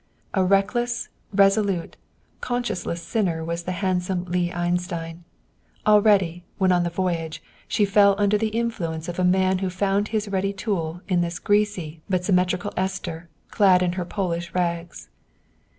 A reckless, resolute, conscienceless sinner was the handsome Leah Einstein; already, when, on the voyage, she fell under the influence of a man who found his ready tool in this greasy but symmetrical Esther, clad in her Polish rags.